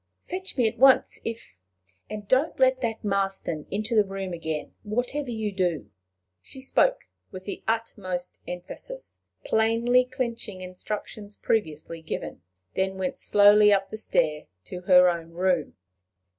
Fetch me at once if And don't let that Marston into the room again, whatever you do." She spoke with the utmost emphasis, plainly clinching instructions previously given, then went slowly up the stair to her own room.